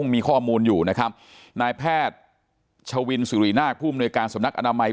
มีข้อมูลอยู่นะครับนายแพทย์ชวินสุรินาคผู้มนวยการสำนักอนามัย